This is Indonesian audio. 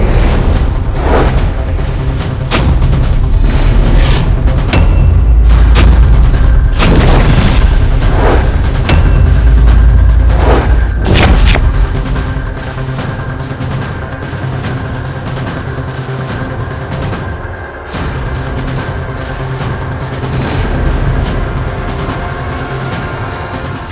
raden mereka di belakang